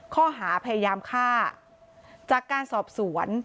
ข้อหาพยายามฆ่าจากการสอบสวน